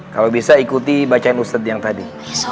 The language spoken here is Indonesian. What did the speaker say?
kalau bisa ikuti bacaan ustadz yang tadi